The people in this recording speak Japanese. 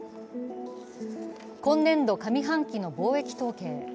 今年度上半期の貿易統計。